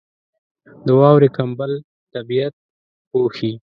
• د واورې کمبل طبیعت پوښي.